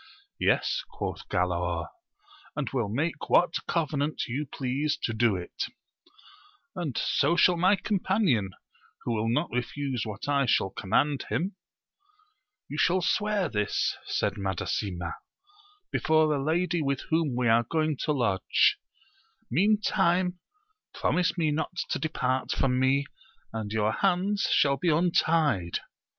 Yes, quoth Galaor, and will make what covenant you please to do it ; and so shall my com panion, who will not refuse what I shall command him. You shall swear this, said Madasima, before a Jady with vrUom Nve ax^ ^^^''^^"^^ \qvS.v^^. ^i^A^yxs^icsafc^ AMADIS OF GAUL. 185 promise me not to depart from me, and your hands shall be untied.